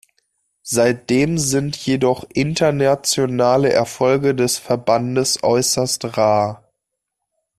Seitdem sind jedoch internationale Erfolge des Verbandes äußerst rar.